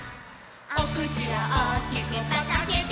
「おくちをおおきくパッとあけて」